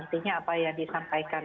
artinya apa yang disampaikan